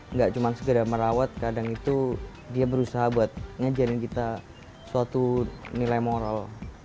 nggak cuma segera merawat kadang itu dia berusaha buat ngajarin kita suatu nilai moral